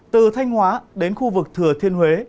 từ thanh hóa đến khu vực thừa thiên huế